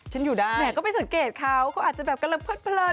ฉันอยู่ด้านเหมือนก็ไม่สังเกตเขาเขาอาจจะแบบกำลังเพิดเพลิน